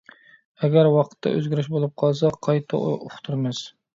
ئەگەر ۋاقىتتا ئۆزگىرىش بولۇپ قالسا قايتا ئۇقتۇرىمىز.